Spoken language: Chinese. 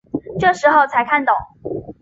我这时候才看懂